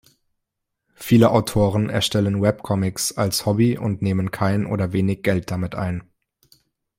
Viele Autoren erstellen Webcomics als Hobby und nehmen kein oder wenig Geld damit ein.